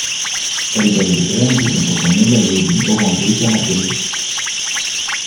Elles donnent des graines présentant un élaïosome orangé caractéristique.